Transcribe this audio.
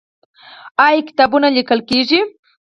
آیا کتابونه لیکل کیږي؟